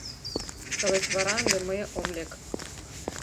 Тылеч вара ынде мые ом лек: